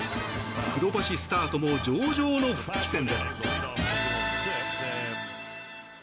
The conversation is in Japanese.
黒星スタートも上々の復帰戦です。